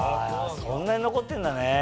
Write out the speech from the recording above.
そんなに残ってんだね。